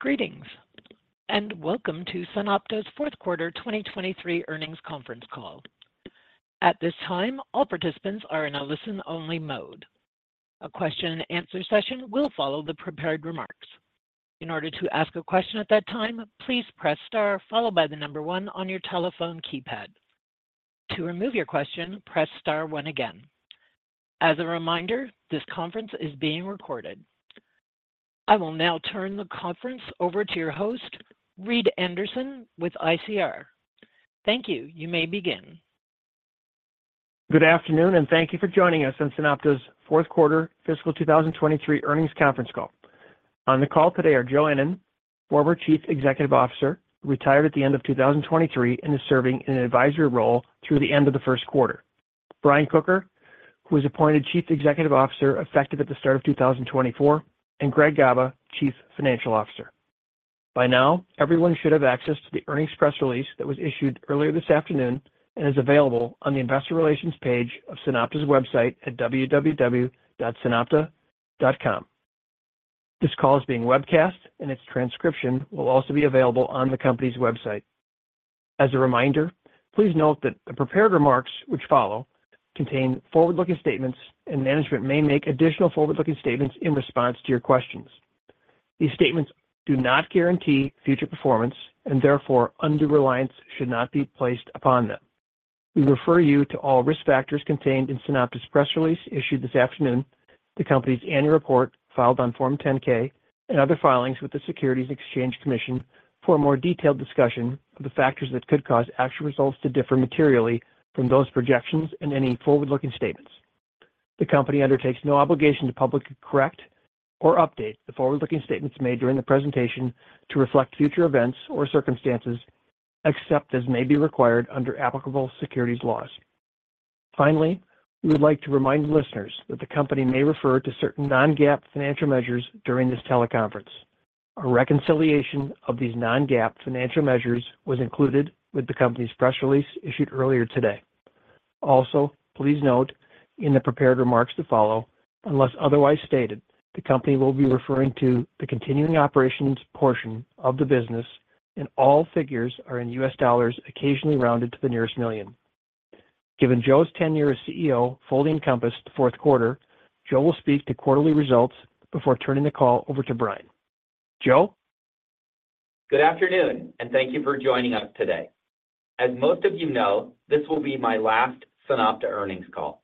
Greetings, and welcome to SunOpta's fourth-quarter 2023 earnings conference call. At this time, all participants are in a listen-only mode. A Q&A session will follow the prepared remarks. In order to ask a question at that time, please press star followed by the number one on your telephone keypad. To remove your question, press star one again. As a reminder, this conference is being recorded. I will now turn the conference over to your host, Reed Anderson, with ICR. Thank you. You may begin. Good afternoon, and thank you for joining us on SunOpta's fourth quarter fiscal 2023 earnings conference call. On the call today are Joe Ennen, former Chief Executive Officer, retired at the end of 2023 and is serving in an advisory role through the end of the first quarter. Brian Kocher, who was appointed Chief Executive Officer effective at the start of 2024; and Greg Gaba, Chief Financial Officer. By now, everyone should have access to the earnings press release that was issued earlier this afternoon and is available on the Investor Relations page of SunOpta's website at www.sunopta.com. This call is being webcast, and its transcription will also be available on the company's website. As a reminder, please note that the prepared remarks, which follow, contain forward-looking statements, and management may make additional forward-looking statements in response to your questions. These statements do not guarantee future performance, and therefore under-reliance should not be placed upon them. We refer you to all risk factors contained in SunOpta's press release issued this afternoon, the company's annual report filed on Form 10-K, and other filings with the Securities and Exchange Commission for a more detailed discussion of the factors that could cause actual results to differ materially from those projections and any forward-looking statements. The company undertakes no obligation to publicly correct or update the forward-looking statements made during the presentation to reflect future events or circumstances, except as may be required under applicable securities laws. Finally, we would like to remind listeners that the company may refer to certain non-GAAP financial measures during this teleconference. A reconciliation of these non-GAAP financial measures was included with the company's press release issued earlier today. Also, please note, in the prepared remarks to follow, unless otherwise stated, the company will be referring to the continuing operations portion of the business, and all figures are in U.S. dollars occasionally rounded to the nearest million. Given Joe's tenure as CEO fully encompassed the fourth quarter, Joe will speak to quarterly results before turning the call over to Brian. Joe? Good afternoon, and thank you for joining us today. As most of you know, this will be my last SunOpta earnings call.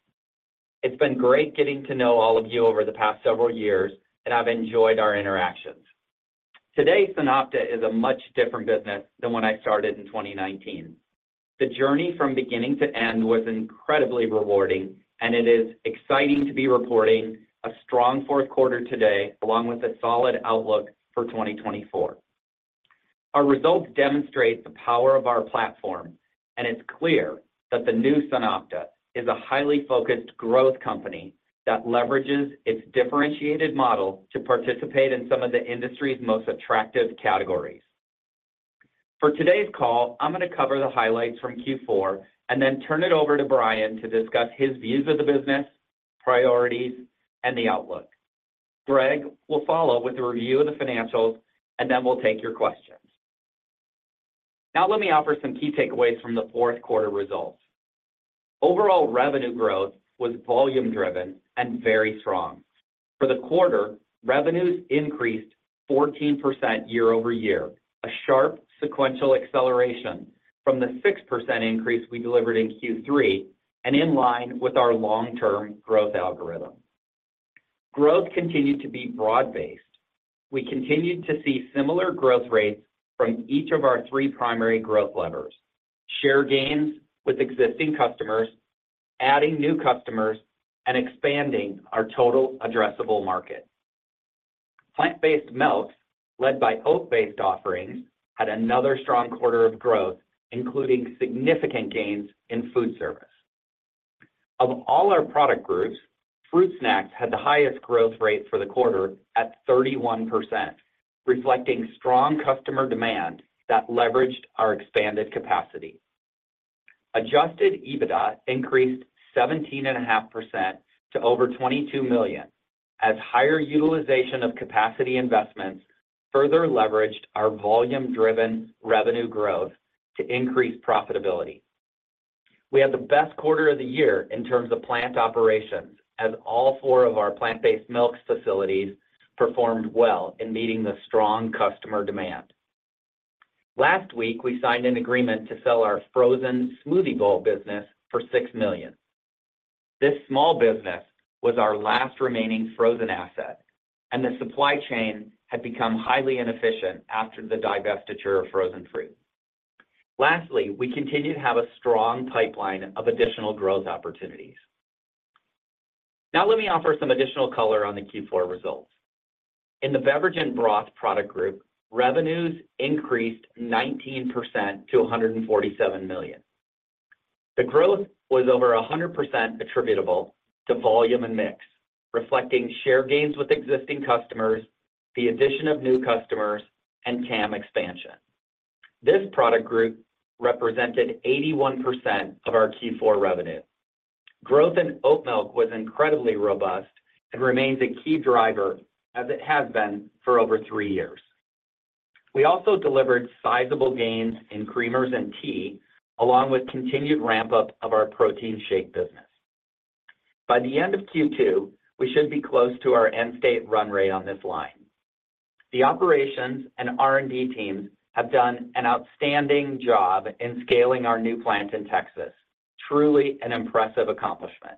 It's been great getting to know all of you over the past several years, and I've enjoyed our interactions. Today, SunOpta is a much different business than when I started in 2019. The journey from beginning to end was incredibly rewarding, and it is exciting to be reporting a strong fourth quarter today along with a solid outlook for 2024. Our results demonstrate the power of our platform, and it's clear that the new SunOpta is a highly focused growth company that leverages its differentiated model to participate in some of the industry's most attractive categories. For today's call, I'm going to cover the highlights from Q4 and then turn it over to Brian to discuss his views of the business, priorities, and the outlook. Greg will follow with a review of the financials, and then we'll take your questions. Now let me offer some key takeaways from the fourth quarter results. Overall revenue growth was volume-driven and very strong. For the quarter, revenues increased 14% year-over-year, a sharp sequential acceleration from the 6% increase we delivered in Q3 and in line with our long-term growth algorithm. Growth continued to be broad-based. We continued to see similar growth rates from each of our three primary growth levers: share gains with existing customers, adding new customers, and expanding our total addressable market. Plant-based milks, led by oat-based offerings, had another strong quarter of growth, including significant gains in food service. Of all our product groups, fruit snacks had the highest growth rate for the quarter at 31%, reflecting strong customer demand that leveraged our expanded capacity. Adjusted EBITDA increased 17.5% to over $22 million, as higher utilization of capacity investments further leveraged our volume-driven revenue growth to increase profitability. We had the best quarter of the year in terms of plant operations, as all four of our plant-based milks facilities performed well in meeting the strong customer demand. Last week, we signed an agreement to sell our frozen smoothie bowl business for $6 million. This small business was our last remaining frozen asset, and the supply chain had become highly inefficient after the divestiture of frozen fruit. Lastly, we continue to have a strong pipeline of additional growth opportunities. Now let me offer some additional color on the Q4 results. In the beverage and broth product group, revenues increased 19% to $147 million. The growth was over 100% attributable to volume and mix, reflecting share gains with existing customers, the addition of new customers, and TAM expansion. This product group represented 81% of our Q4 revenue. Growth in oat milk was incredibly robust and remains a key driver, as it has been for over three years. We also delivered sizable gains in creamers and tea, along with continued ramp-up of our protein shake business. By the end of Q2, we should be close to our end-state run rate on this line. The operations and R&D teams have done an outstanding job in scaling our new plant in Texas, truly an impressive accomplishment.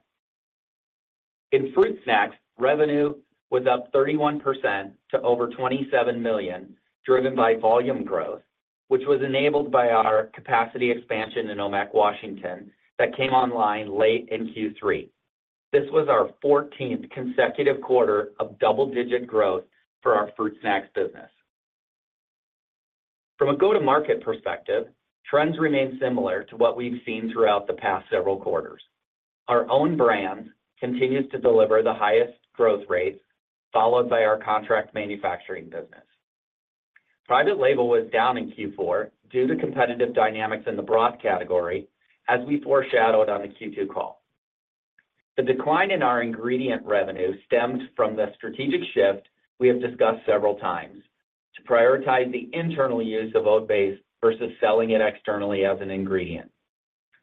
In fruit snacks, revenue was up 31% to over $27 million, driven by volume growth, which was enabled by our capacity expansion in Omak, Washington, that came online late in Q3. This was our 14th consecutive quarter of double-digit growth for our fruit snacks business. From a go-to-market perspective, trends remain similar to what we've seen throughout the past several quarters. Our own brand continues to deliver the highest growth rates, followed by our contract manufacturing business. Private label was down in Q4 due to competitive dynamics in the broth category, as we foreshadowed on the Q2 call. The decline in our ingredient revenue stemmed from the strategic shift we have discussed several times to prioritize the internal use of oat base versus selling it externally as an ingredient.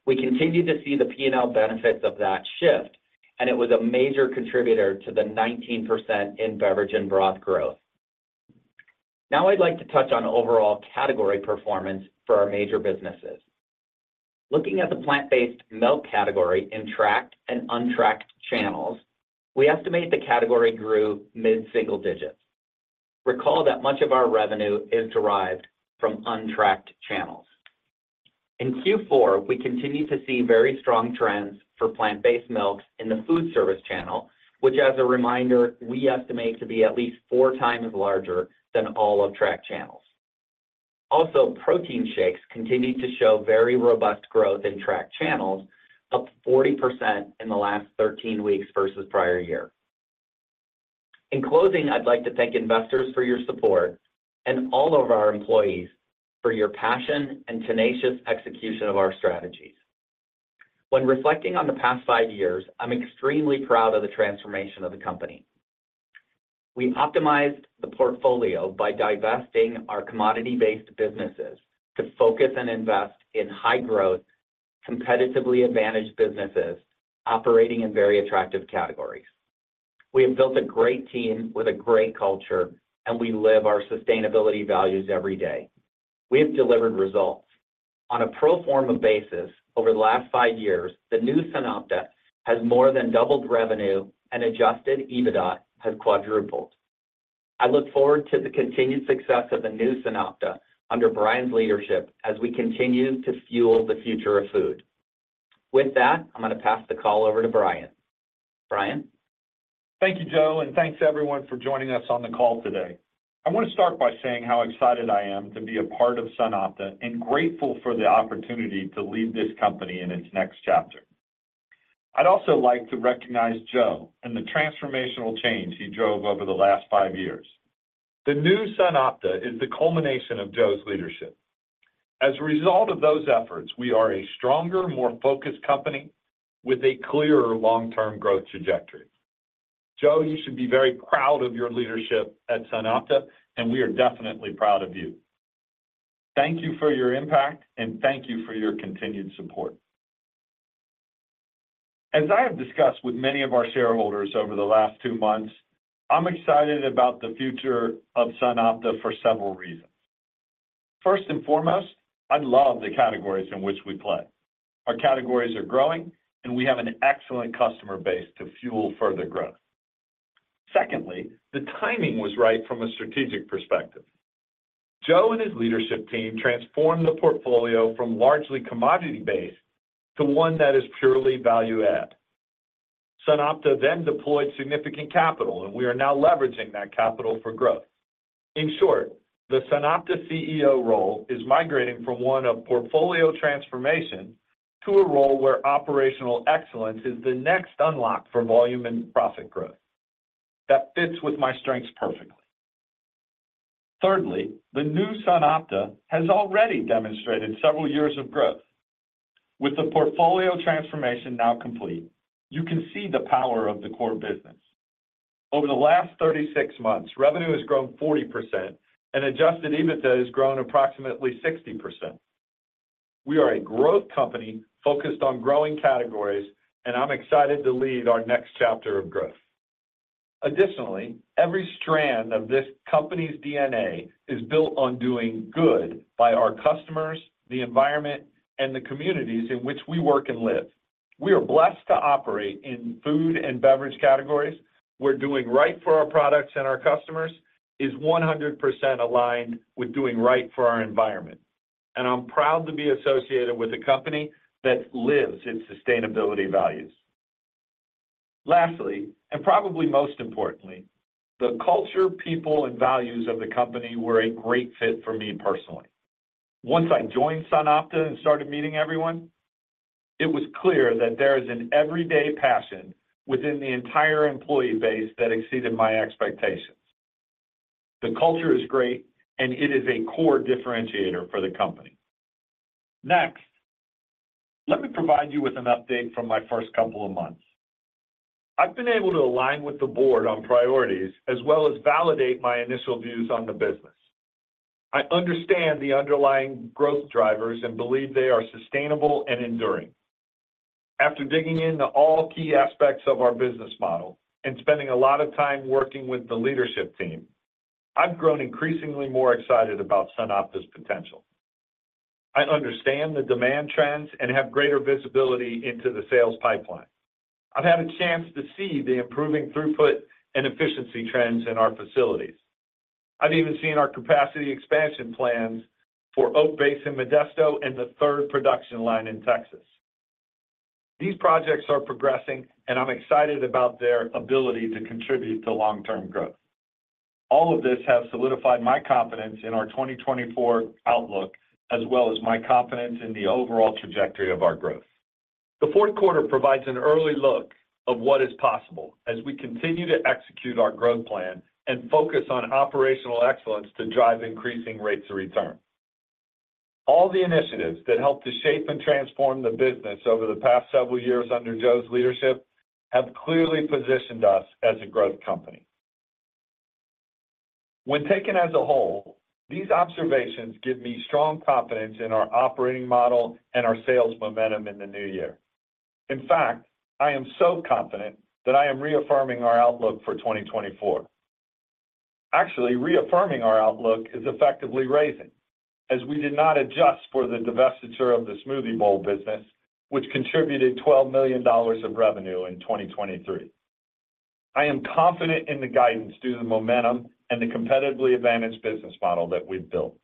We continue to see the P&L benefits of that shift, and it was a major contributor to the 19% in beverage and broth growth. Now I'd like to touch on overall category performance for our major businesses. Looking at the plant-based milk category in tracked and untracked channels, we estimate the category grew mid-single digits. Recall that much of our revenue is derived from untracked channels. In Q4, we continue to see very strong trends for plant-based milks in the food service channel, which, as a reminder, we estimate to be at least four times larger than all of tracked channels. Also, protein shakes continue to show very robust growth in tracked channels, up 40% in the last 13 weeks versus prior year. In closing, I'd like to thank investors for your support and all of our employees for your passion and tenacious execution of our strategies. When reflecting on the past five years, I'm extremely proud of the transformation of the company. We optimized the portfolio by divesting our commodity-based businesses to focus and invest in high-growth, competitively advantaged businesses operating in very attractive categories. We have built a great team with a great culture, and we live our sustainability values every day. We have delivered results. On a pro forma basis, over the last five years, the new SunOpta has more than doubled revenue, and adjusted EBITDA has quadrupled. I look forward to the continued success of the new SunOpta under Brian's leadership as we continue to fuel the future of food. With that, I'm going to pass the call over to Brian. Brian? Thank you, Joe, and thanks everyone for joining us on the call today. I want to start by saying how excited I am to be a part of SunOpta and grateful for the opportunity to lead this company in its next chapter. I'd also like to recognize Joe and the transformational change he drove over the last five years. The new SunOpta is the culmination of Joe's leadership. As a result of those efforts, we are a stronger, more focused company with a clearer long-term growth trajectory. Joe, you should be very proud of your leadership at SunOpta, and we are definitely proud of you. Thank you for your impact, and thank you for your continued support. As I have discussed with many of our shareholders over the last two months, I'm excited about the future of SunOpta for several reasons. First and foremost, I love the categories in which we play. Our categories are growing, and we have an excellent customer base to fuel further growth. Secondly, the timing was right from a strategic perspective. Joe and his leadership team transformed the portfolio from largely commodity-based to one that is purely value-add. SunOpta then deployed significant capital, and we are now leveraging that capital for growth. In short, the SunOpta CEO role is migrating from one of portfolio transformation to a role where operational excellence is the next unlock for volume and profit growth. That fits with my strengths perfectly. Thirdly, the new SunOpta has already demonstrated several years of growth. With the portfolio transformation now complete, you can see the power of the core business. Over the last 36 months, revenue has grown 40%, and adjusted EBITDA has grown approximately 60%. We are a growth company focused on growing categories, and I'm excited to lead our next chapter of growth. Additionally, every strand of this company's DNA is built on doing good by our customers, the environment, and the communities in which we work and live. We are blessed to operate in food and beverage categories. We're doing right for our products and our customers is 100% aligned with doing right for our environment, and I'm proud to be associated with a company that lives its sustainability values. Lastly, and probably most importantly, the culture, people, and values of the company were a great fit for me personally. Once I joined SunOpta and started meeting everyone, it was clear that there is an everyday passion within the entire employee base that exceeded my expectations. The culture is great, and it is a core differentiator for the company. Next, let me provide you with an update from my first couple of months. I've been able to align with the board on priorities as well as validate my initial views on the business. I understand the underlying growth drivers and believe they are sustainable and enduring. After digging into all key aspects of our business model and spending a lot of time working with the leadership team, I've grown increasingly more excited about SunOpta's potential. I understand the demand trends and have greater visibility into the sales pipeline. I've had a chance to see the improving throughput and efficiency trends in our facilities. I've even seen our capacity expansion plans for oat base in Modesto and the third production line in Texas. These projects are progressing, and I'm excited about their ability to contribute to long-term growth. All of this has solidified my confidence in our 2024 outlook as well as my confidence in the overall trajectory of our growth. The fourth quarter provides an early look of what is possible as we continue to execute our growth plan and focus on operational excellence to drive increasing rates of return. All the initiatives that helped to shape and transform the business over the past several years under Joe's leadership have clearly positioned us as a growth company. When taken as a whole, these observations give me strong confidence in our operating model and our sales momentum in the new year. In fact, I am so confident that I am reaffirming our outlook for 2024. Actually, reaffirming our outlook is effectively raising, as we did not adjust for the divestiture of the smoothie bowl business, which contributed $12 million of revenue in 2023. I am confident in the guidance due to the momentum and the competitively advantaged business model that we've built.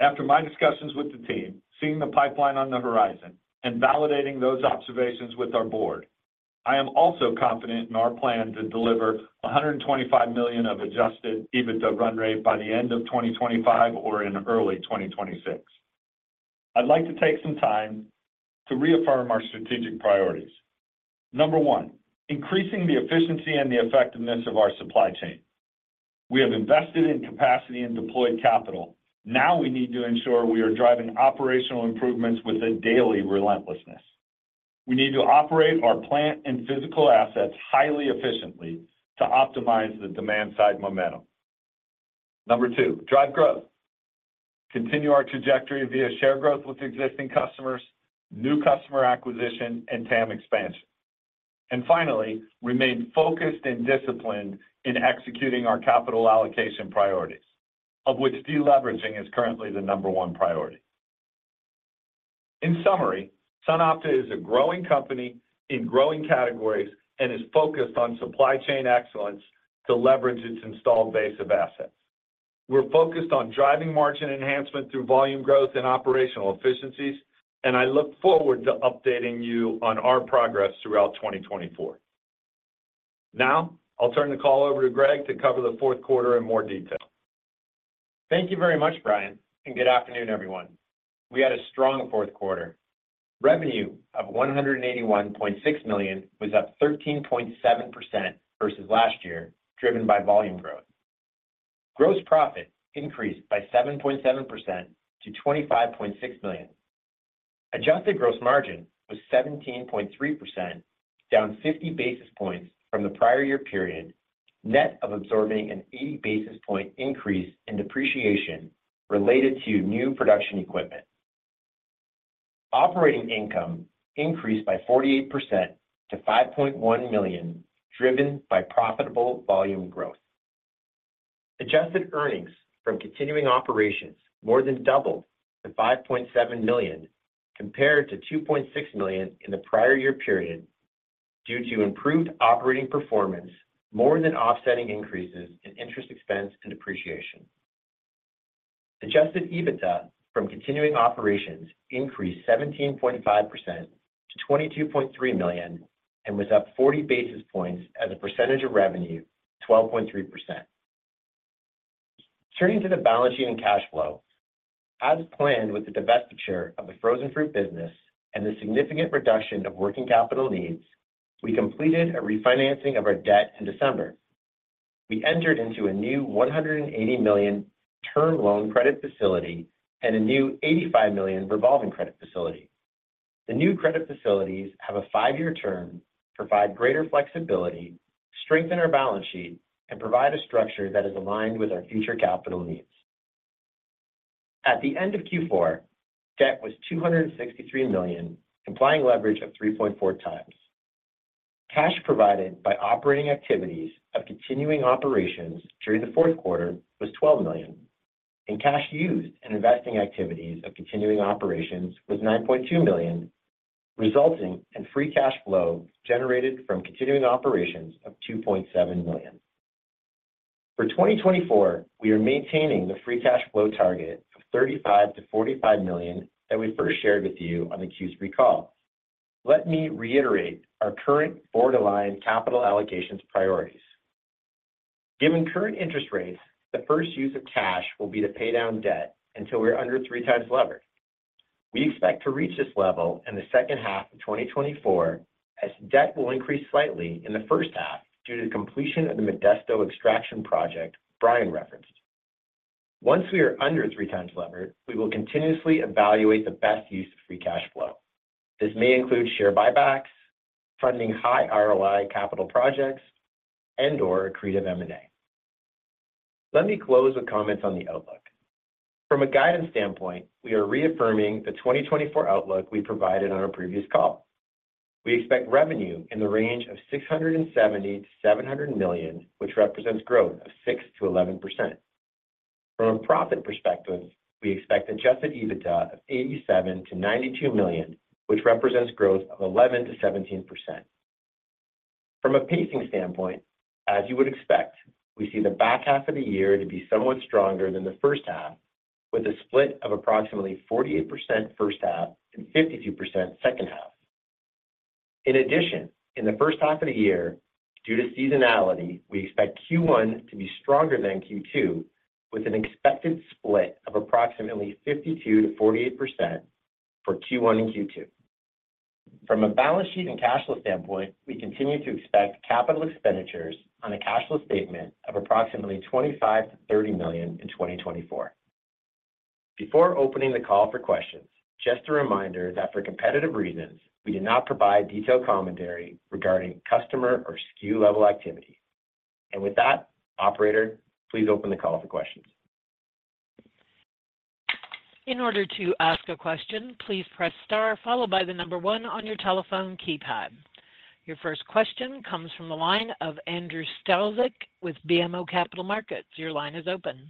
After my discussions with the team, seeing the pipeline on the horizon, and validating those observations with our board, I am also confident in our plan to deliver $125 million of adjusted EBITDA run rate by the end of 2025 or in early 2026. I'd like to take some time to reaffirm our strategic priorities. Number one, increasing the efficiency and the effectiveness of our supply chain. We have invested in capacity and deployed capital. Now we need to ensure we are driving operational improvements with a daily relentlessness. We need to operate our plant and physical assets highly efficiently to optimize the demand-side momentum. Number two, drive growth. Continue our trajectory via share growth with existing customers, new customer acquisition, and TAM expansion. And finally, remain focused and disciplined in executing our capital allocation priorities, of which deleveraging is currently the number one priority. In summary, SunOpta is a growing company in growing categories and is focused on supply chain excellence to leverage its installed base of assets. We're focused on driving margin enhancement through volume growth and operational efficiencies, and I look forward to updating you on our progress throughout 2024. Now I'll turn the call over to Greg to cover the fourth quarter in more detail. Thank you very much, Brian, and good afternoon, everyone. We had a strong fourth quarter. Revenue of $181.6 million was up 13.7% versus last year, driven by volume growth. Gross profit increased by 7.7% to $25.6 million. Adjusted gross margin was 17.3%, down 50 basis points from the prior year period, net of absorbing an 80 basis point increase in depreciation related to new production equipment. Operating income increased by 48% to $5.1 million, driven by profitable volume growth. Adjusted earnings from continuing operations more than doubled to $5.7 million compared to $2.6 million in the prior year period due to improved operating performance more than offsetting increases in interest expense and depreciation. Adjusted EBITDA from continuing operations increased 17.5% to $22.3 million and was up 40 basis points as a percentage of revenue, 12.3%. Turning to the balance sheet and cash flow, as planned with the divestiture of the frozen fruit business and the significant reduction of working capital needs, we completed a refinancing of our debt in December. We entered into a new $180 million term loan credit facility and a new $85 million revolving credit facility. The new credit facilities have a five-year term, provide greater flexibility, strengthen our balance sheet, and provide a structure that is aligned with our future capital needs. At the end of Q4, debt was $263 million, implying leverage of 3.4x. Cash provided by operating activities of continuing operations during the fourth quarter was $12 million, and cash used in investing activities of continuing operations was $9.2 million, resulting in free cash flow generated from continuing operations of $2.7 million. For 2024, we are maintaining the free cash flow target of $35 million-$45 million that we first shared with you on the Q3 call. Let me reiterate our current board-aligned capital allocations priorities. Given current interest rates, the first use of cash will be to pay down debt until we're under three times levered. We expect to reach this level in the second half of 2024 as debt will increase slightly in the first half due to the completion of the Modesto extraction project Brian referenced. Once we are under three times levered, we will continuously evaluate the best use of free cash flow. This may include share buybacks, funding high ROI capital projects, and/or creative M&A. Let me close with comments on the outlook. From a guidance standpoint, we are reaffirming the 2024 outlook we provided on a previous call. We expect revenue in the range of $670 million-$700 million, which represents growth of 6%-11%. From a profit perspective, we expect adjusted EBITDA of $87 million-$92 million, which represents growth of 11%-17%. From a pacing standpoint, as you would expect, we see the back half of the year to be somewhat stronger than the first half, with a split of approximately 48% first half and 52% second half. In addition, in the first half of the year, due to seasonality, we expect Q1 to be stronger than Q2, with an expected split of approximately 52%-48% for Q1 and Q2. From a balance sheet and cash flow standpoint, we continue to expect capital expenditures on a cash flow statement of approximately $25 million-$30 million in 2024. Before opening the call for questions, just a reminder that for competitive reasons, we do not provide detailed commentary regarding customer or SKU-level activity. With that, operator, please open the call for questions. In order to ask a question, please press star followed by the number one on your telephone keypad. Your first question comes from the line of Andrew Strelzik with BMO Capital Markets. Your line is open.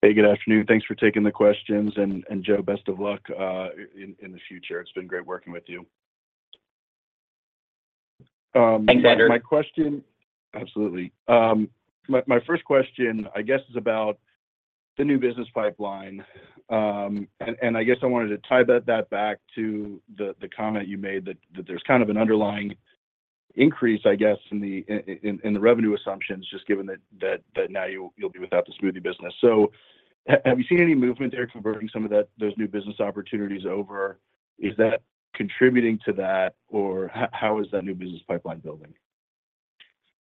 Hey, good afternoon. Thanks for taking the questions. Joe, best of luck in the future. It's been great working with you. Thanks, Andrew. Absolutely. My first question, I guess, is about the new business pipeline. And I guess I wanted to tie that back to the comment you made that there's kind of an underlying increase, I guess, in the revenue assumptions, just given that now you'll be without the smoothie business. So have you seen any movement there converting some of those new business opportunities over? Is that contributing to that, or how is that new business pipeline building?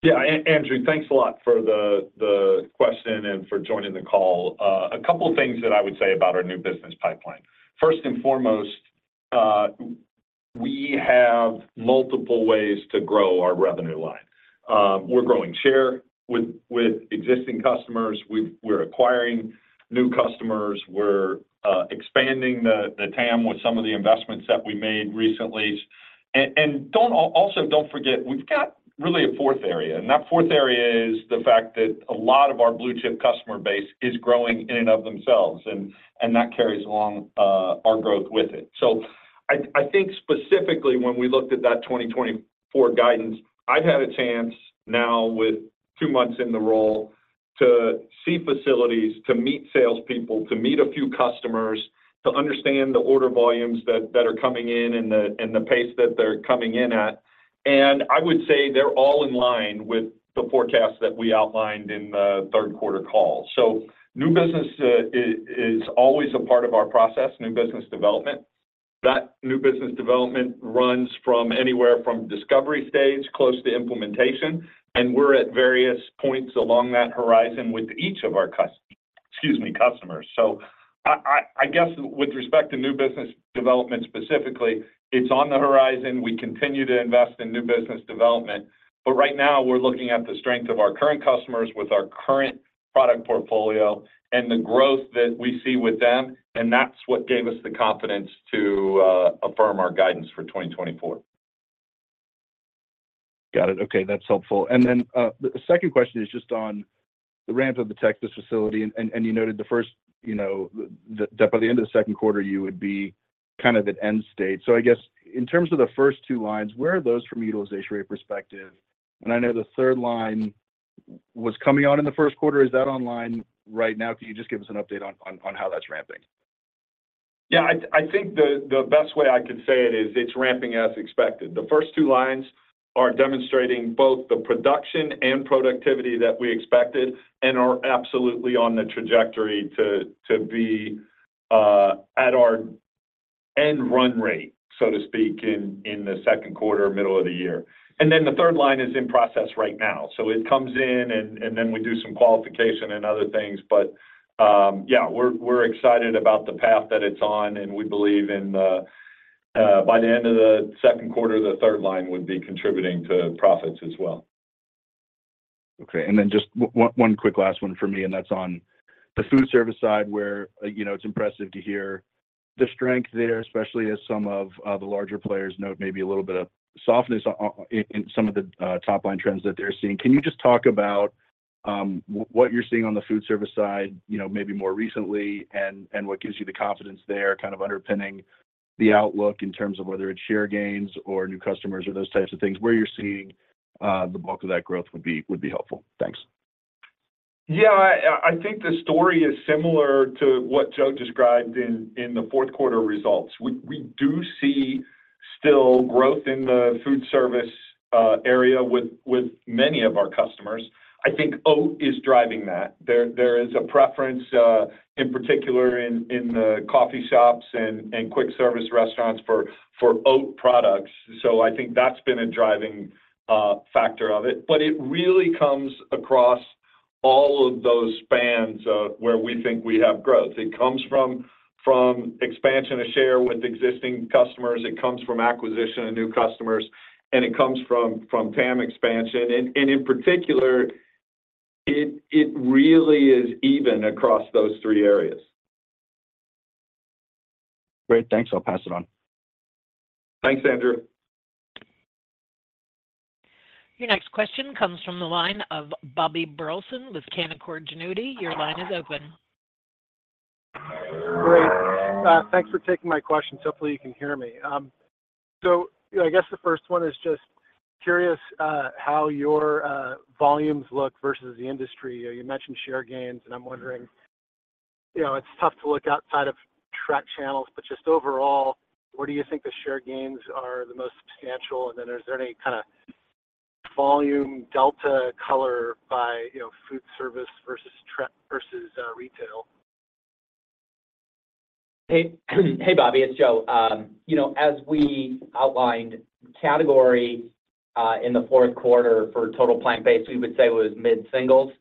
Yeah, Andrew, thanks a lot for the question and for joining the call. A couple of things that I would say about our new business pipeline. First and foremost, we have multiple ways to grow our revenue line. We're growing share with existing customers. We're acquiring new customers. We're expanding the TAM with some of the investments that we made recently. And also, don't forget, we've got really a fourth area. And that fourth area is the fact that a lot of our blue-chip customer base is growing in and of themselves, and that carries along our growth with it. So I think specifically, when we looked at that 2024 guidance, I've had a chance now with two months in the role to see facilities, to meet salespeople, to meet a few customers, to understand the order volumes that are coming in and the pace that they're coming in at. I would say they're all in line with the forecast that we outlined in the third quarter call. New business is always a part of our process, new business development. That new business development runs anywhere from discovery stage, close to implementation, and we're at various points along that horizon with each of our customers. I guess with respect to new business development specifically, it's on the horizon. We continue to invest in new business development. But right now, we're looking at the strength of our current customers with our current product portfolio and the growth that we see with them. That's what gave us the confidence to affirm our guidance for 2024. Got it. Okay, that's helpful. And then the second question is just on the ramp of the Texas facility. And you noted the first that by the end of the second quarter, you would be kind of at end state. So I guess in terms of the first two lines, where are those from utilization rate perspective? And I know the third line was coming on in the first quarter. Is that online right now? Can you just give us an update on how that's ramping? Yeah, I think the best way I could say it is it's ramping as expected. The first two lines are demonstrating both the production and productivity that we expected and are absolutely on the trajectory to be at our end run rate, so to speak, in the second quarter, middle of the year. And then the third line is in process right now. So it comes in, and then we do some qualification and other things. But yeah, we're excited about the path that it's on, and we believe by the end of the second quarter, the third line would be contributing to profits as well. Okay. And then just one quick last one for me, and that's on the food service side where it's impressive to hear the strength there, especially as some of the larger players note maybe a little bit of softness in some of the top-line trends that they're seeing. Can you just talk about what you're seeing on the food service side maybe more recently and what gives you the confidence there kind of underpinning the outlook in terms of whether it's share gains or new customers or those types of things, where you're seeing the bulk of that growth would be helpful? Thanks. Yeah, I think the story is similar to what Joe described in the fourth quarter results. We do see still growth in the food service area with many of our customers. I think oat is driving that. There is a preference, in particular, in the coffee shops and quick-service restaurants for oat products. So I think that's been a driving factor of it. But it really comes across all of those spans where we think we have growth. It comes from expansion of share with existing customers. It comes from acquisition of new customers. And it comes from TAM expansion. And in particular, it really is even across those three areas. Great. Thanks. I'll pass it on. Thanks, Andrew. Your next question comes from the line of Bobby Burleson with Canaccord Genuity. Your line is open. Great. Thanks for taking my questions. Hopefully, you can hear me. So I guess the first one is just curious how your volumes look versus the industry. You mentioned share gains, and I'm wondering, it's tough to look outside of tracked channels, but just overall, where do you think the share gains are the most substantial? And then is there any kind of volume delta color by food service versus retail? Hey, Bobby, it's Joe. As we outlined, category in the fourth quarter for total plant-based, we would say was mid-singles.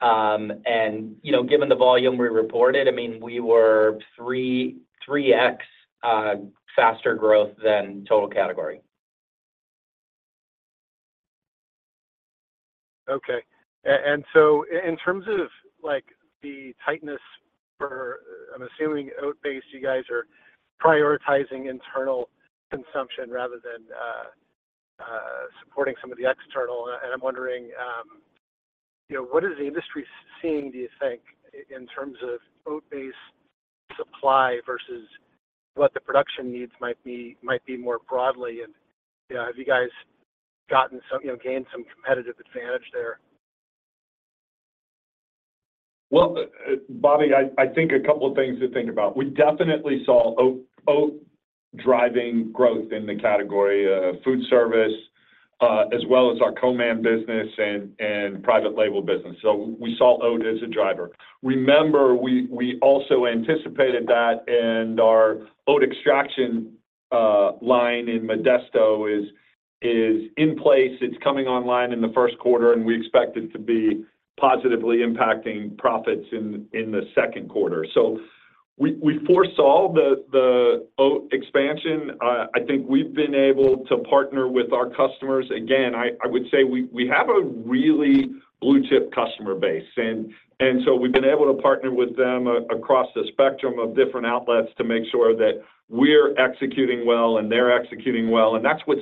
And given the volume we reported, I mean, we were 3x faster growth than total category. Okay. And so, in terms of the tightness—for I'm assuming oat-based—you guys are prioritizing internal consumption rather than supporting some of the external. And I'm wondering, what is the industry seeing, do you think, in terms of oat-based supply versus what the production needs might be more broadly? And have you guys gained some competitive advantage there? Well, Bobby, I think a couple of things to think about. We definitely saw oat driving growth in the category of food service, as well as our C&M business and private label business. So we saw oat as a driver. Remember, we also anticipated that. And our oat extraction line in Modesto is in place. It's coming online in the first quarter, and we expect it to be positively impacting profits in the second quarter. So we foresaw the oat expansion. I think we've been able to partner with our customers. Again, I would say we have a really blue-chip customer base. And so we've been able to partner with them across the spectrum of different outlets to make sure that we're executing well and they're executing well. And that's what's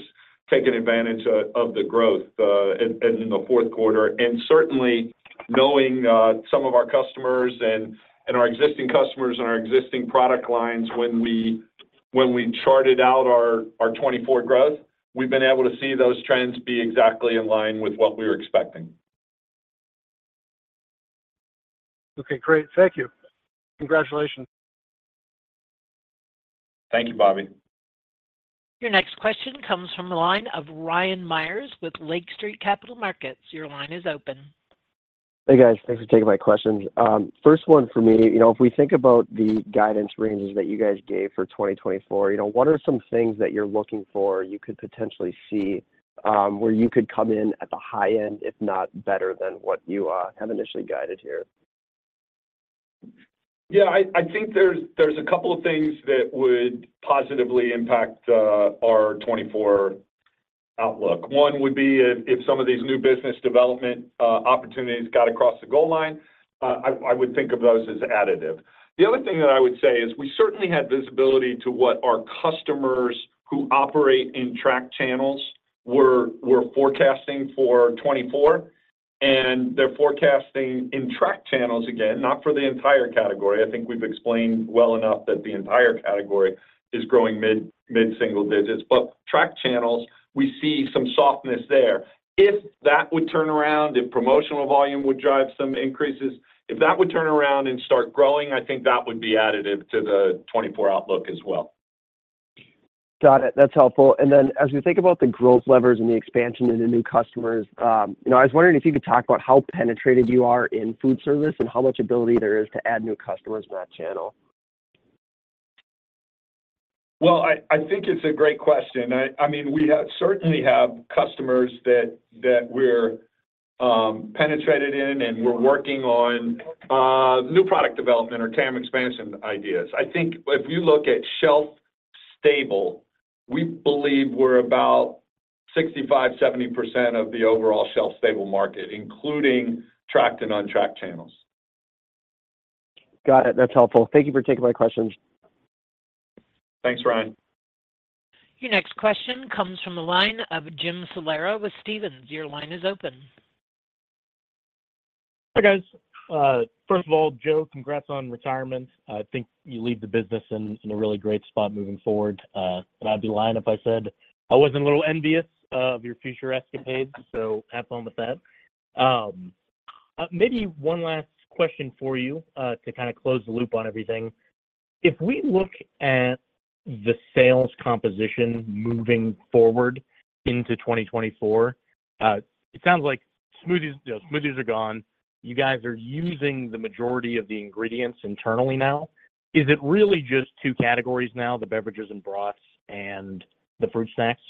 taken advantage of the growth in the fourth quarter. Certainly, knowing some of our customers and our existing customers and our existing product lines, when we charted out our 2024 growth, we've been able to see those trends be exactly in line with what we were expecting. Okay, great. Thank you. Congratulations. Thank you, Bobby. Your next question comes from the line of Ryan Meyers with Lake Street Capital Markets. Your line is open. Hey, guys. Thanks for taking my questions. First one for me, if we think about the guidance ranges that you guys gave for 2024, what are some things that you're looking for you could potentially see where you could come in at the high end, if not better, than what you have initially guided here? Yeah, I think there's a couple of things that would positively impact our 2024 outlook. One would be if some of these new business development opportunities got across the goal line. I would think of those as additive. The other thing that I would say is we certainly had visibility to what our customers who operate in tracked channels were forecasting for 2024. They're forecasting in tracked channels, again, not for the entire category. I think we've explained well enough that the entire category is growing mid-single digits. Tracked channels, we see some softness there. If that would turn around, if promotional volume would drive some increases, if that would turn around and start growing, I think that would be additive to the 2024 outlook as well. Got it. That's helpful. And then as we think about the growth levers and the expansion into new customers, I was wondering if you could talk about how penetrated you are in food service and how much ability there is to add new customers in that channel. Well, I think it's a great question. I mean, we certainly have customers that we're penetrated in, and we're working on new product development or TAM expansion ideas. I think if you look at shelf-stable, we believe we're about 65%-70% of the overall shelf-stable market, including tracked and untracked channels. Got it. That's helpful. Thank you for taking my questions. Thanks, Ryan. Your next question comes from the line of Jim Salera with Stephens. Your line is open. Hi, guys. First of all, Joe, congrats on retirement. I think you leave the business in a really great spot moving forward. I'd be lying if I said I wasn't a little envious of your future escapades. Hats off with that. Maybe one last question for you to kind of close the loop on everything. If we look at the sales composition moving forward into 2024, it sounds like smoothies are gone. You guys are using the majority of the ingredients internally now. Is it really just two categories now, the beverages and broths and the fruit snacks?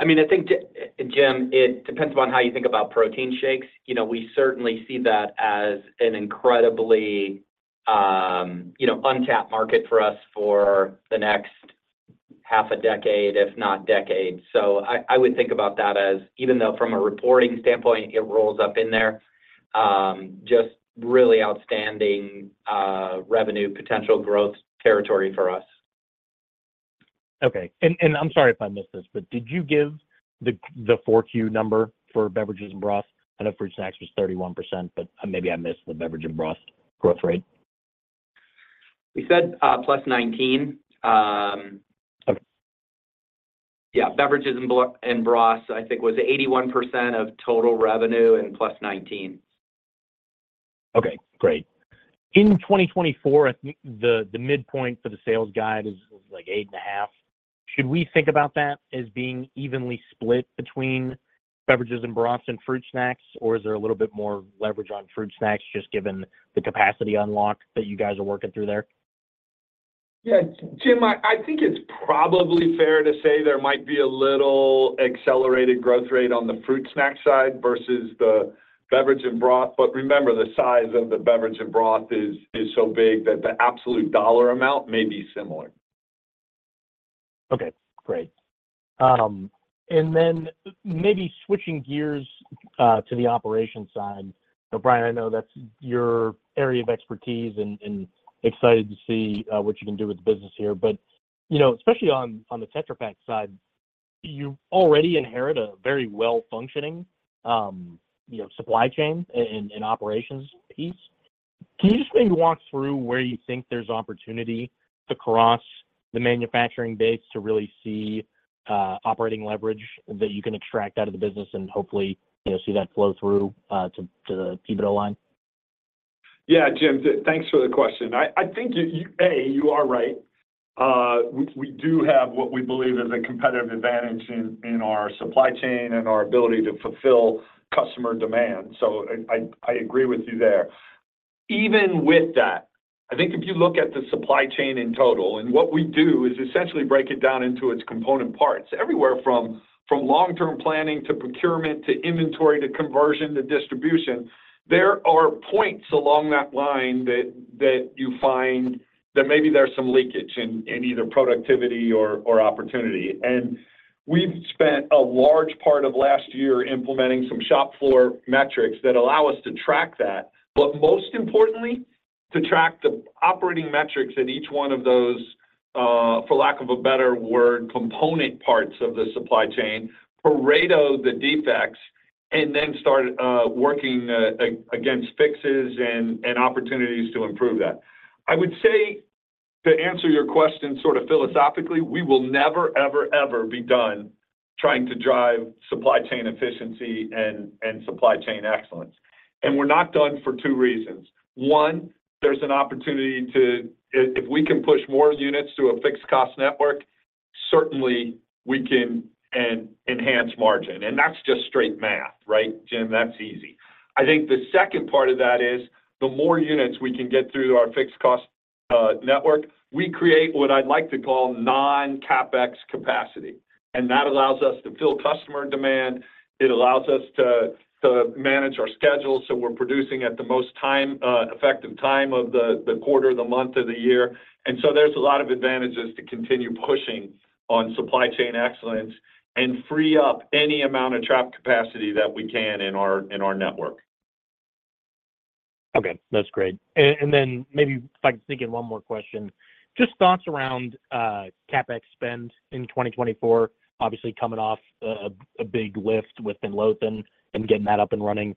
I mean, I think, Jim, it depends upon how you think about protein shakes. We certainly see that as an incredibly untapped market for us for the next half a decade, if not decade. So I would think about that as even though from a reporting standpoint, it rolls up in there, just really outstanding revenue potential growth territory for us. Okay. I'm sorry if I missed this, but did you give the 4Q number for beverages and broths? I know fruit snacks was 31%, but maybe I missed the beverage and broth growth rate. We said +19%. Yeah, beverages and broths, I think, was 81% of total revenue and +19%. Okay, great. In 2024, I think the midpoint for the sales guide is like $8.5. Should we think about that as being evenly split between beverages and broths and fruit snacks, or is there a little bit more leverage on fruit snacks just given the capacity unlock that you guys are working through there? Yeah, Jim, I think it's probably fair to say there might be a little accelerated growth rate on the fruit snack side versus the beverage and broth. But remember, the size of the beverage and broth is so big that the absolute dollar amount may be similar. Okay, great. And then maybe switching gears to the operations side. Brian, I know that's your area of expertise and excited to see what you can do with the business here. But especially on the Tetra Pak side, you already inherit a very well-functioning supply chain and operations piece. Can you just maybe walk through where you think there's opportunity across the manufacturing base to really see operating leverage that you can extract out of the business and hopefully see that flow through to the bottom line? Yeah, Jim, thanks for the question. I think, A, you are right. We do have what we believe is a competitive advantage in our supply chain and our ability to fulfill customer demand. So I agree with you there. Even with that, I think if you look at the supply chain in total and what we do is essentially break it down into its component parts, everywhere from long-term planning to procurement to inventory to conversion to distribution, there are points along that line that you find that maybe there's some leakage in either productivity or opportunity. And we've spent a large part of last year implementing some shop floor metrics that allow us to track that. But most importantly, to track the operating metrics at each one of those, for lack of a better word, component parts of the supply chain, Pareto the defects, and then start working against fixes and opportunities to improve that. I would say to answer your question sort of philosophically, we will never, ever, ever be done trying to drive supply chain efficiency and supply chain excellence. And we're not done for two reasons. One, there's an opportunity to if we can push more units to a fixed-cost network, certainly, we can enhance margin. And that's just straight math, right, Jim? That's easy. I think the second part of that is the more units we can get through our fixed-cost network, we create what I'd like to call non-CAPEX capacity. And that allows us to fill customer demand. It allows us to manage our schedule. So we're producing at the most time-effective time of the quarter, the month, or the year. And so there's a lot of advantages to continue pushing on supply chain excellence and free up any amount of trapped capacity that we can in our network. Okay, that's great. And then maybe if I could sneak in one more question, just thoughts around CapEx spend in 2024, obviously coming off a big lift in Midlothian and getting that up and running,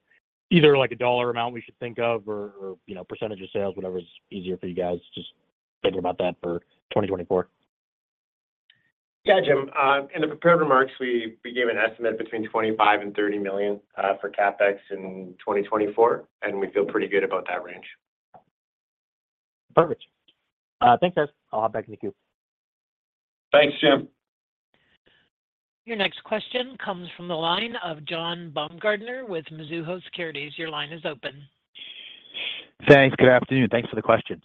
either a dollar amount we should think of or percentage of sales, whatever's easier for you guys, just thinking about that for 2024. Yeah, Jim. In the prepared remarks, we gave an estimate between $25-$30 million for CapEx in 2024. We feel pretty good about that range. Perfect. Thanks, guys. I'll hop back in the queue. Thanks, Jim. Your next question comes from the line of John Baumgartner with Mizuho Securities. Your line is open. Thanks. Good afternoon. Thanks for the question.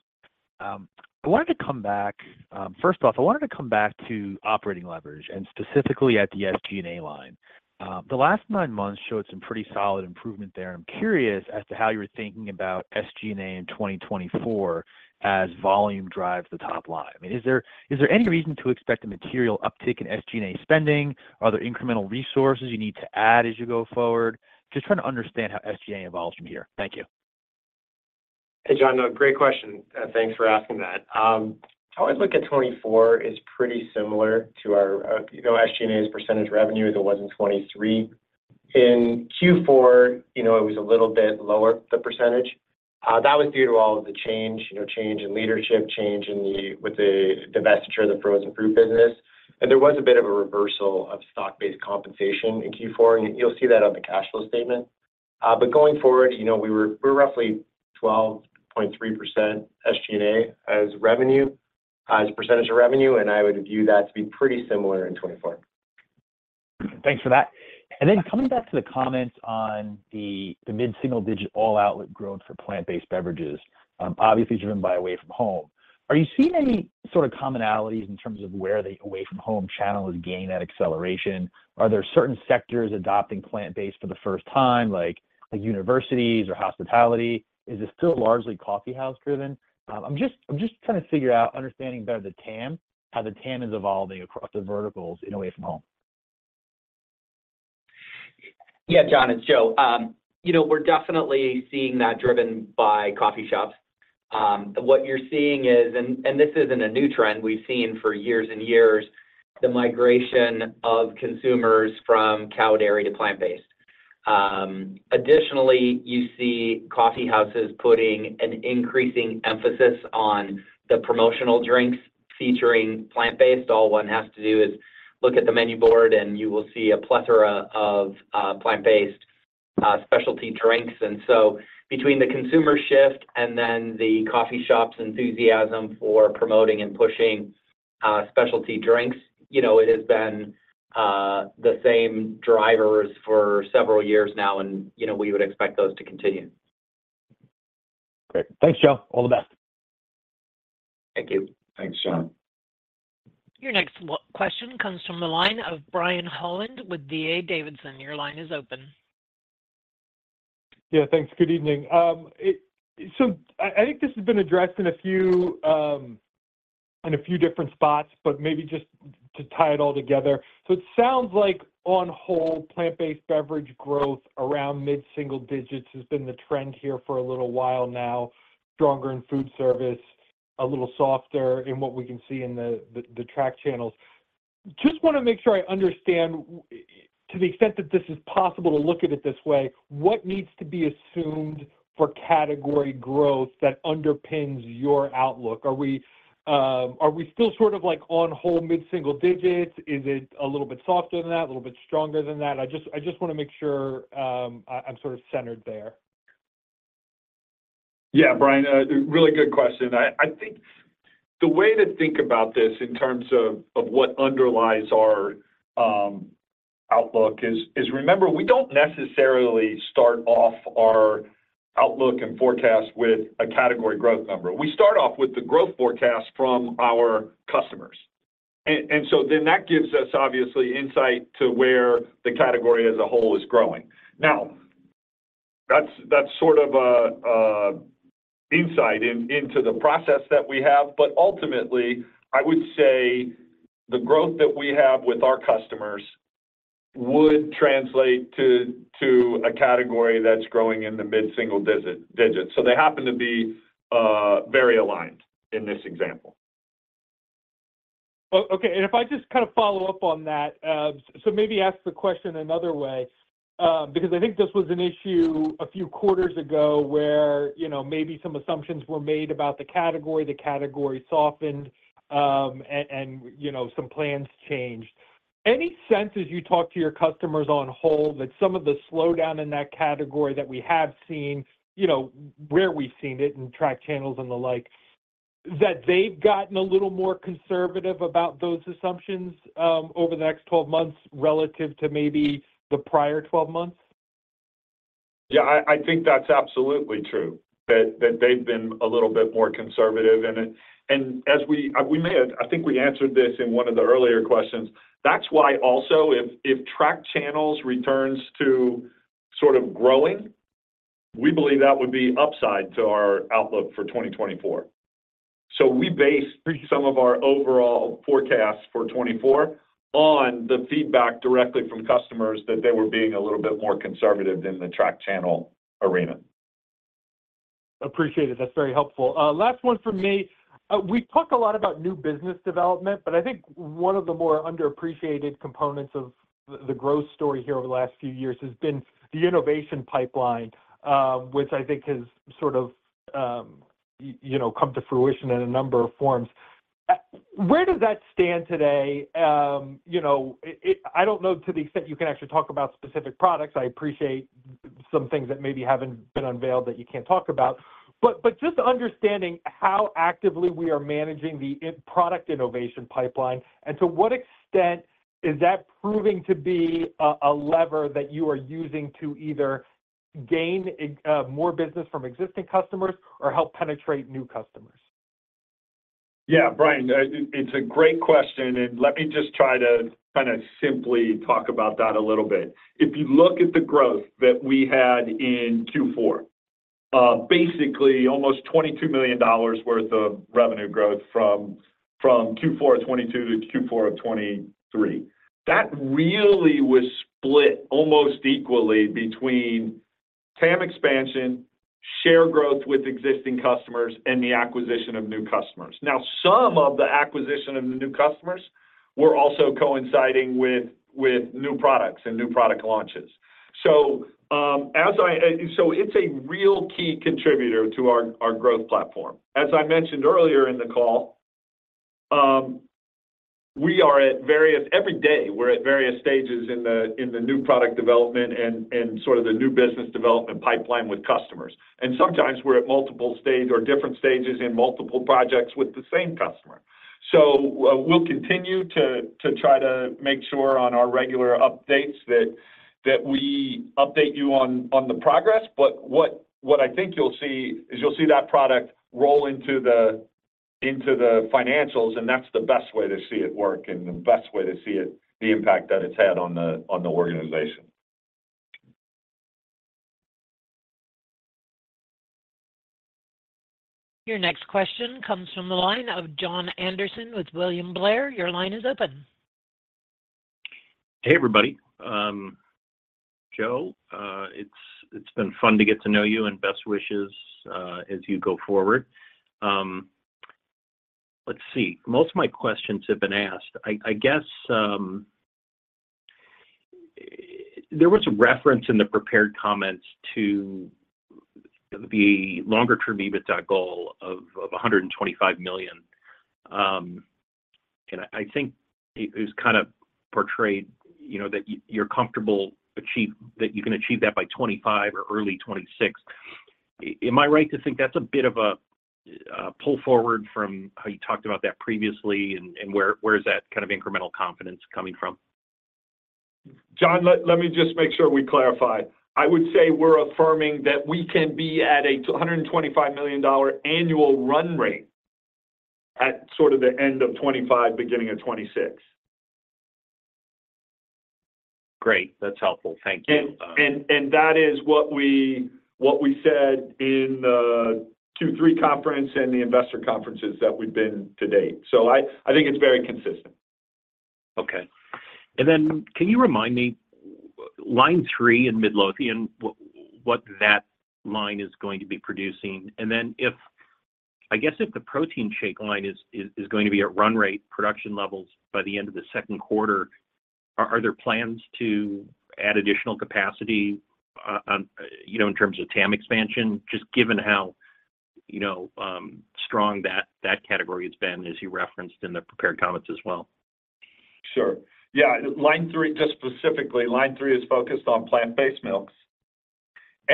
I wanted to come back first off, I wanted to come back to operating leverage and specifically at the SG&A line. The last nine months showed some pretty solid improvement there. I'm curious as to how you were thinking about SG&A in 2024 as volume drives the top line. I mean, is there any reason to expect a material uptick in SG&A spending? Are there incremental resources you need to add as you go forward? Just trying to understand how SG&A evolves from here. Thank you. Hey, John, great question. Thanks for asking that. I always look at 2024 as pretty similar to our SG&A's percentage revenue. It wasn't 2023. In Q4, it was a little bit lower, the percentage. That was due to all of the change, change in leadership, change with the divestiture of the frozen fruit business. And there was a bit of a reversal of stock-based compensation in Q4. And you'll see that on the cash flow statement. But going forward, we're roughly 12.3% SG&A as percentage of revenue. And I would view that to be pretty similar in 2024. Thanks for that. And then coming back to the comments on the mid-single-digit all-outlet growth for plant-based beverages, obviously driven by away-from-home, are you seeing any sort of commonalities in terms of where the away-from-home channel is gaining that acceleration? Are there certain sectors adopting plant-based for the first time, like universities or hospitality? Is it still largely coffeehouse-driven? I'm just trying to figure out, understanding better the TAM, how the TAM is evolving across the verticals in away-from-home. Yeah, John, it's Joe. We're definitely seeing that driven by coffee shops. What you're seeing is, and this isn't a new trend. We've seen for years and years the migration of consumers from cow dairy to plant-based. Additionally, you see coffeehouses putting an increasing emphasis on the promotional drinks featuring plant-based. All one has to do is look at the menu board, and you will see a plethora of plant-based specialty drinks. And so between the consumer shift and then the coffee shops' enthusiasm for promoting and pushing specialty drinks, it has been the same drivers for several years now. And we would expect those to continue. Great. Thanks, Joe. All the best. Thank you. Thanks, John. Your next question comes from the line of Brian Holland with D.A. Davidson. Your line is open. Yeah, thanks. Good evening. So I think this has been addressed in a few different spots, but maybe just to tie it all together. So it sounds like on the whole, plant-based beverage growth around mid-single digits has been the trend here for a little while now, stronger in food service, a little softer in what we can see in the retail channels. Just want to make sure I understand, to the extent that this is possible to look at it this way, what needs to be assumed for category growth that underpins your outlook? Are we still sort of on the whole mid-single digits? Is it a little bit softer than that, a little bit stronger than that? I just want to make sure I'm sort of centered there. Yeah, Brian, really good question. I think the way to think about this in terms of what underlies our outlook is remember, we don't necessarily start off our outlook and forecast with a category growth number. We start off with the growth forecast from our customers. And so then that gives us, obviously, insight to where the category as a whole is growing. Now, that's sort of insight into the process that we have. But ultimately, I would say the growth that we have with our customers would translate to a category that's growing in the mid-single digits. So they happen to be very aligned in this example. Okay. And if I just kind of follow up on that, so maybe ask the question another way because I think this was an issue a few quarters ago where maybe some assumptions were made about the category, the category softened, and some plans changed. Any sense, as you talk to your customers as a whole, that some of the slowdown in that category that we have seen, where we've seen it in retail channels and the like, that they've gotten a little more conservative about those assumptions over the next 12 months relative to maybe the prior 12 months? Yeah, I think that's absolutely true, that they've been a little bit more conservative in it. And we may have. I think we answered this in one of the earlier questions. That's why also, if tracked channels returns to sort of growing, we believe that would be upside to our outlook for 2024. So we base some of our overall forecasts for 2024 on the feedback directly from customers that they were being a little bit more conservative in the tracked channel arena. Appreciate it. That's very helpful. Last one from me. We talk a lot about new business development, but I think one of the more underappreciated components of the growth story here over the last few years has been the innovation pipeline, which I think has sort of come to fruition in a number of forms. Where does that stand today? I don't know to the extent you can actually talk about specific products. I appreciate some things that maybe haven't been unveiled that you can't talk about. But just understanding how actively we are managing the product innovation pipeline, and to what extent is that proving to be a lever that you are using to either gain more business from existing customers or help penetrate new customers? Yeah, Brian, it's a great question. And let me just try to kind of simply talk about that a little bit. If you look at the growth that we had in Q4, basically, almost $22 million worth of revenue growth from Q4 of 2022 to Q4 of 2023, that really was split almost equally between TAM expansion, share growth with existing customers, and the acquisition of new customers. Now, some of the acquisition of the new customers were also coinciding with new products and new product launches. So it's a real key contributor to our growth platform. As I mentioned earlier in the call, we are at various every day, we're at various stages in the new product development and sort of the new business development pipeline with customers. And sometimes, we're at multiple stage or different stages in multiple projects with the same customer. We'll continue to try to make sure on our regular updates that we update you on the progress. What I think you'll see is you'll see that product roll into the financials. That's the best way to see it work and the best way to see the impact that it's had on the organization. Your next question comes from the line of Jon Andersen with William Blair. Your line is open. Hey, everybody. Joe, it's been fun to get to know you. Best wishes as you go forward. Let's see. Most of my questions have been asked. I guess there was a reference in the prepared comments to the longer-term EBITDA goal of $125 million. I think it was kind of portrayed that you're comfortable that you can achieve that by 2025 or early 2026. Am I right to think that's a bit of a pull forward from how you talked about that previously? Where is that kind of incremental confidence coming from? Jon, let me just make sure we clarify. I would say we're affirming that we can be at a $125 million annual run rate at sort of the end of 2025, beginning of 2026. Great. That's helpful. Thank you. That is what we said in the Q3 conference and the investor conferences that we've been to date. I think it's very consistent. Okay. And then can you remind me, line three in Midlothian, what that line is going to be producing? And then I guess if the protein shake line is going to be at run rate production levels by the end of the second quarter, are there plans to add additional capacity in terms of TAM expansion, just given how strong that category has been, as you referenced in the prepared comments as well? Sure. Yeah, line three, just specifically, line three is focused on plant-based milks.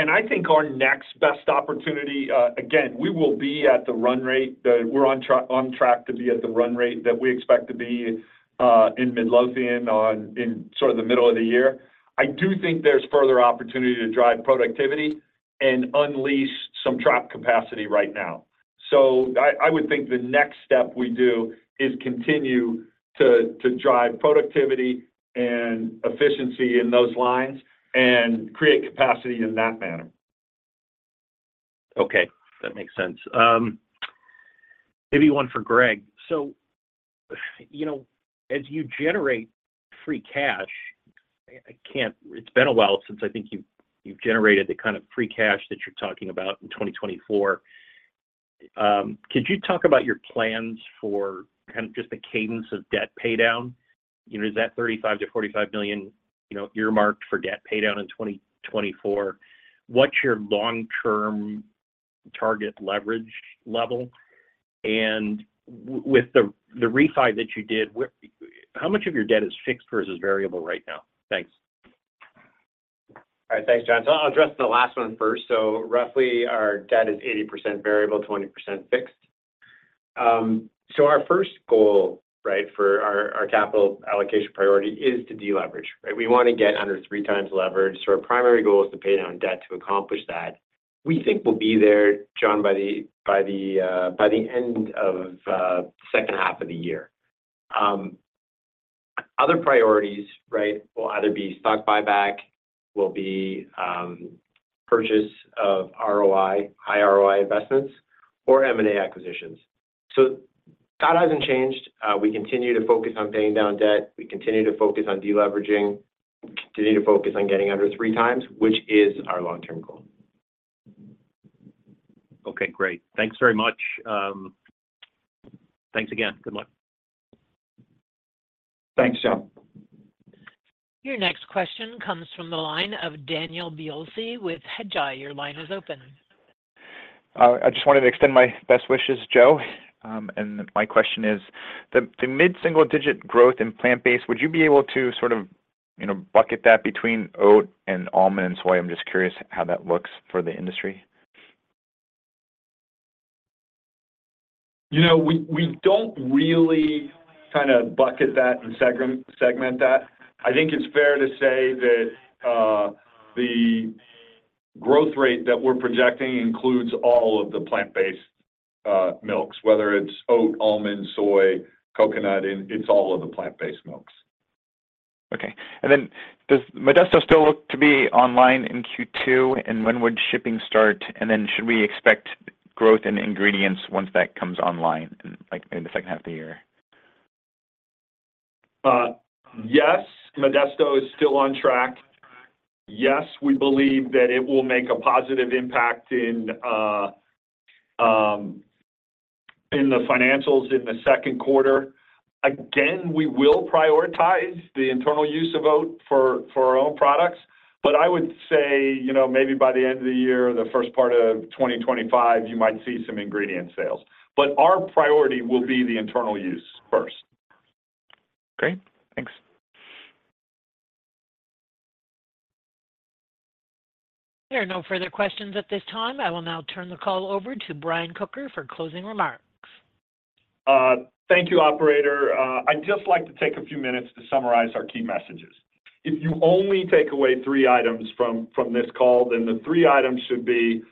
I think our next best opportunity again, we will be at the run rate. We're on track to be at the run rate that we expect to be in Midlothian in sort of the middle of the year. I do think there's further opportunity to drive productivity and unleash some trapped capacity right now. I would think the next step we do is continue to drive productivity and efficiency in those lines and create capacity in that manner. Okay. That makes sense. Maybe one for Greg. So as you generate free cash, it's been a while since I think you've generated the kind of free cash that you're talking about in 2024. Could you talk about your plans for kind of just the cadence of debt paydown? Is that $35 million-$45 million earmarked for debt paydown in 2024? What's your long-term target leverage level? And with the refi that you did, how much of your debt is fixed versus variable right now? Thanks. All right. Thanks, John. So I'll address the last one first. So roughly, our debt is 80% variable, 20% fixed. So our first goal, right, for our capital allocation priority is to deleverage, right? We want to get under 3x leverage. So our primary goal is to pay down debt to accomplish that. We think we'll be there, John, by the end of the second half of the year. Other priorities, right, will either be stock buyback, will be purchase of high ROI investments, or M&A acquisitions. So that hasn't changed. We continue to focus on paying down debt. We continue to focus on deleveraging. We continue to focus on getting under 3x, which is our long-term goal. Okay. Great. Thanks very much. Thanks again. Good luck. Thanks, John. Your next question comes from the line of Daniel Biolsi with Hedgeye. Your line is open. I just wanted to extend my best wishes, Joe. My question is, the mid-single digit growth in plant-based, would you be able to sort of bucket that between oat and almond and soy? I'm just curious how that looks for the industry. We don't really kind of bucket that and segment that. I think it's fair to say that the growth rate that we're projecting includes all of the plant-based milks, whether it's oat, almond, soy, coconut. It's all of the plant-based milks. Okay. And then does Modesto still look to be online in Q2? And when would shipping start? And then should we expect growth in ingredients once that comes online in the second half of the year? Yes, Modesto is still on track. Yes, we believe that it will make a positive impact in the financials in the second quarter. Again, we will prioritize the internal use of oat for our own products. But I would say maybe by the end of the year, the first part of 2025, you might see some ingredient sales. But our priority will be the internal use first. Great. Thanks. There are no further questions at this time. I will now turn the call over to Brian Kocher for closing remarks. Thank you, operator. I'd just like to take a few minutes to summarize our key messages. If you only take away three items from this call, then the three items should be,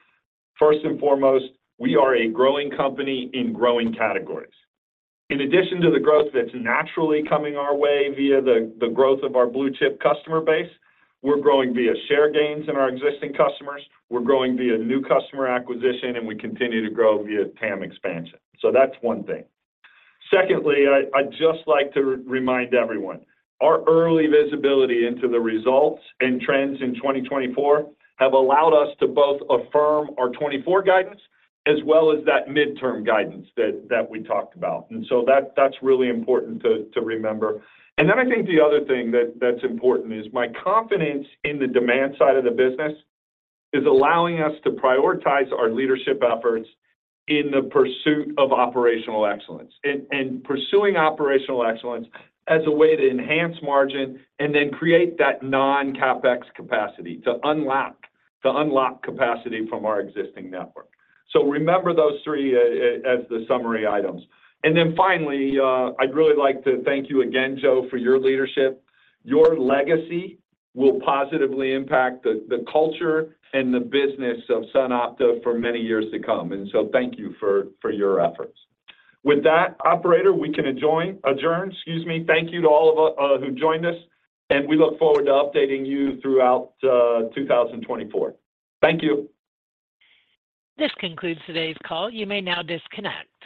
first and foremost, we are a growing company in growing categories. In addition to the growth that's naturally coming our way via the growth of our blue-chip customer base, we're growing via share gains in our existing customers. We're growing via new customer acquisition. And we continue to grow via TAM expansion. So that's one thing. Secondly, I'd just like to remind everyone, our early visibility into the results and trends in 2024 have allowed us to both affirm our 2024 guidance as well as that midterm guidance that we talked about. And so that's really important to remember. And then I think the other thing that's important is my confidence in the demand side of the business is allowing us to prioritize our leadership efforts in the pursuit of operational excellence and pursuing operational excellence as a way to enhance margin and then create that non-CapEx capacity to unlock capacity from our existing network. So remember those three as the summary items. And then finally, I'd really like to thank you again, Joe, for your leadership. Your legacy will positively impact the culture and the business of SunOpta for many years to come. And so thank you for your efforts. With that, operator, we can adjourn. Excuse me. Thank you to all of who joined us. And we look forward to updating you throughout 2024. Thank you. This concludes today's call. You may now disconnect.